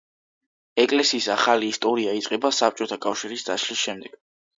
ეკლესიის ახალი ისტორია იწყება საბჭოთა კავშირის დაშლის შემდეგ.